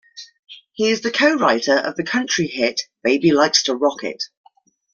He is the co-writer of the country hit "Baby Likes to Rock It".